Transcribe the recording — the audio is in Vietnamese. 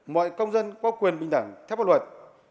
mọi công dân có quyền bình đẳng theo pháp luật